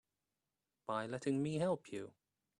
By letting me help you.